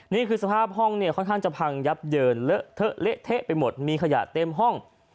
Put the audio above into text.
นี่คือสภาพห้องเนี่ยค่อนข้างจะพังยับเยินเลอะเทอะเละเทะไปหมดมีขยะเต็มห้อง